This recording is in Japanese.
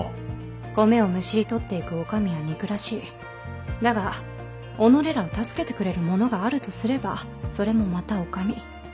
米をむしり取っていくお上は憎らしいだが己らを助けてくれる者があるとすればそれもまたお上。